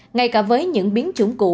ngay cả với những biến chủng cũ